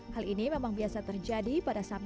hal ini memang biasa terjadi pada sampah